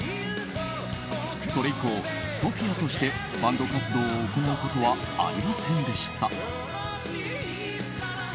それ以降、ＳＯＰＨＩＡとしてバンド活動を行うことはありませんでした。